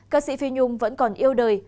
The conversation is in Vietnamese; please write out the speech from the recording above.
các sĩ phi nhung vẫn còn yêu đời